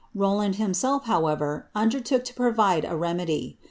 Rowland himself, however, undertook to provide a remedy.